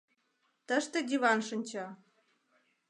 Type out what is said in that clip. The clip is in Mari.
— Тыште диван шинча.